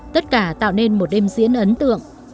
tất cả tạo nên một đêm diễn ấn tượng